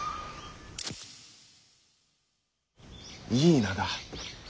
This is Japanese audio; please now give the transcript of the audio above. いい名だ。